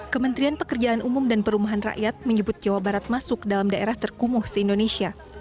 kementerian pekerjaan umum dan perumahan rakyat menyebut jawa barat masuk dalam daerah terkumuh se indonesia